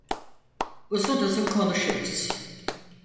Uzun uzun konuşuruz.